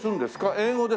英語で！